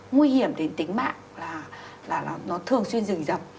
nguy hiểm đến tính mạng là nó thường xuyên rình dập